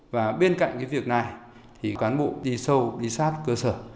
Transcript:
và bên cạnh cái việc này thì cán bộ đi sâu đi sát cơ sở